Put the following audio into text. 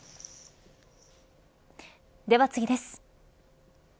では次です。